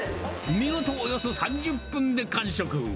見事およそ３０分で完食。